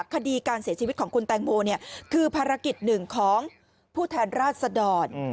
คดีการเสียชีวิตของคุณแตงโมคือภารกิจหนึ่งของผู้แทนราชดร